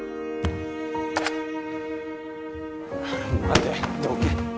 待てどけ